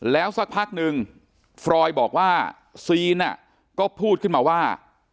แล้วสักพักนึงฟรอยบอกว่าซีนก็พูดขึ้นมาว่า